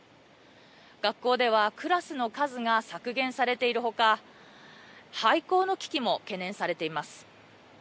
学校ではクラスの数が削減されている他廃校の危機も懸念されています。